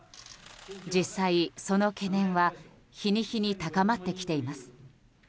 実際、その懸念は日に日に高まってきています。